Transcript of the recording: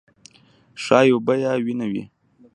ښايي اوبه یا وینه وي.